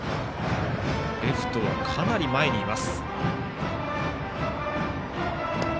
レフトはかなり前にいます。